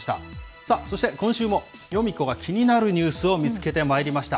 さあ、そして今週もヨミ子が気になるニュースを見つけてまいりました。